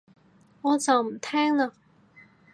我就唔聽喇